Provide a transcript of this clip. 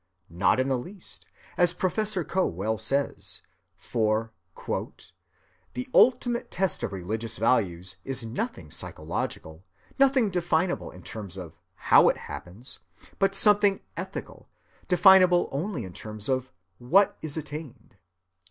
Not in the least, as Professor Coe well says; for "the ultimate test of religious values is nothing psychological, nothing definable in terms of how it happens, but something ethical, definable only in terms of what is attained."